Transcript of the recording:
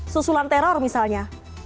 susulan teror misalnya